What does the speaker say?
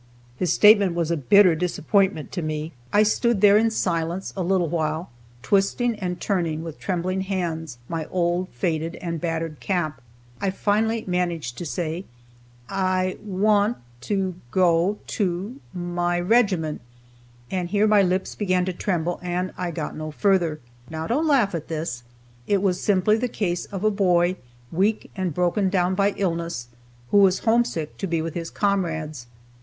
His statement was a bitter disappointment to me. I stood there in silence a little while, twisting and turning, with trembling hands, my old faded and battered cap. I finally managed to say, "I want to go to my regiment;" and here my lips began to tremble, and I got no further. Now don't laugh at this. It was simply the case of a boy, weak and broken down by illness, who was homesick to be with his comrades.